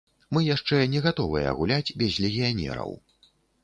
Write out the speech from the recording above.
Мы яшчэ не гатовыя гуляць без легіянераў.